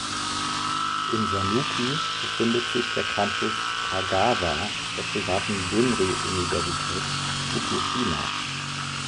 In Sanuki befindet sich der Campus Kagawa der privaten Bunri-Universität Tokushima.